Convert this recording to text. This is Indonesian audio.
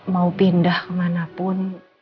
mau pindah ke mana pun